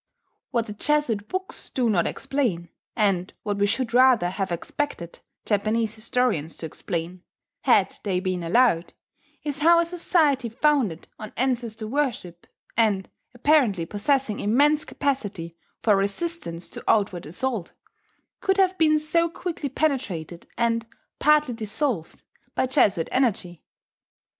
What the Jesuit books do not explain, and what we should rather have expected Japanese historians to explain, had they been allowed, is how a society founded on ancestor worship, and apparently possessing immense capacity for resistance to outward assault, could have been so quickly penetrated and partly dissolved by Jesuit energy.